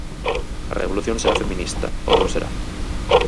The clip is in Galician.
A revolución será feminista, ou non será.